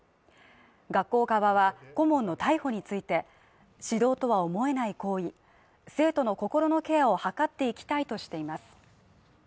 学校側は、顧問の逮捕について始動とは思えない行為、指導とは思えない行為、生徒の心のケアを図っていきたいとしています。